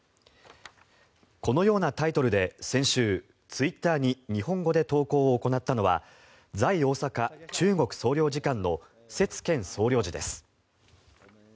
このようなタイトルで先週、ツイッターに日本語で投稿を行ったのは在大阪中国総領事館のセツ・ケン総領事です。